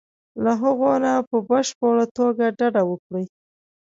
له هغو نه په بشپړه توګه ډډه وکړي.